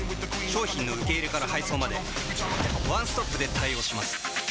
商品の受け入れから配送までワンストップで対応します。